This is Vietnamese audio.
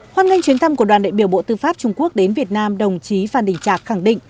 hoan nghênh chuyến thăm của đoàn đại biểu bộ tư pháp trung quốc đến việt nam đồng chí phan đình trạc khẳng định